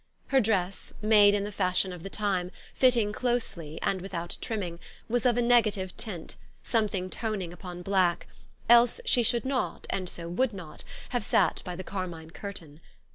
Her dress, made in the fashion of the time, fitting closely, and without trimming, was of a negative tint, something toning upon black, else she should not, and so would not, have sat by the carmine curtain.